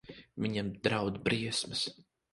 Viņam draud briesmas.